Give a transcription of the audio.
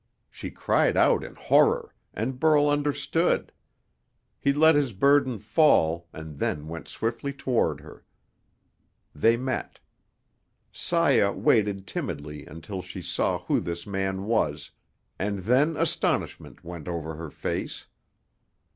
She cried out in horror, and Burl understood. He let his burden fall and then went swiftly toward her. They met. Saya waited timidly until she saw who this man was, and then astonishment went over her face.